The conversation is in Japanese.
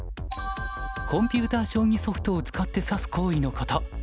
コンピュータ将棋ソフトを使って指す行為のこと。